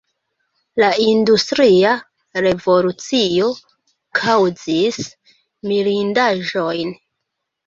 La industria revolucio kaŭzis mirindaĵojn.